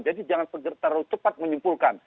jadi jangan terlalu cepat menyimpulkan